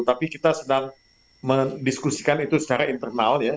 tapi kita sedang mendiskusikan itu secara internal ya